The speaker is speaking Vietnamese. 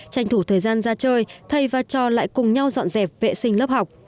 tranh thủ thời gian ra chơi thầy và trò lại cùng nhau dọn dẹp vệ sinh lớp học